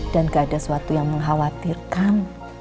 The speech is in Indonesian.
dan gak ada suatu yang mengkhawatirkan